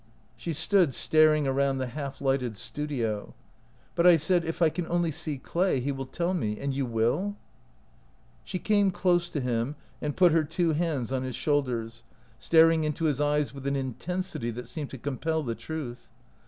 She stood staring around the half lighted studio. " But I said, ' If I can only see Clay, he will tell me.' And you will ?" She came close to him and put her two hands on his shoulders, staring into his i57 OUT OF BOHEMIA eyes with an intensity that seemed to com pel the truth.